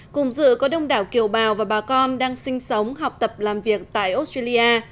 cùng dự có đông đảo kiều bào và bà con đang sinh sống học tập làm việc tại australia